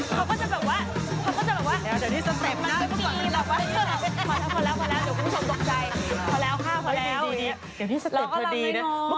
เขาก็จะแบบว่า